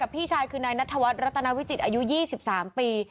พี่ชายคือนายนัทธวัฒนรัตนาวิจิตอายุ๒๓ปี